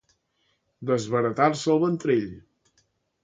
Desbaratar-se el ventrell.